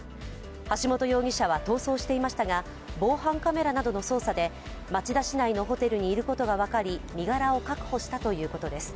橋本容疑者は逃走していましたが、防犯カメラなどの捜査で町田市内のホテルにいることが分かり、身柄を確保したということです。